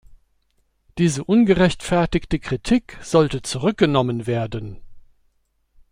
Diese ungerechtfertigte Kritik sollte zurückgenommen werden.